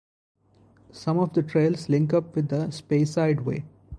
Some of the trails link up with the Speyside way.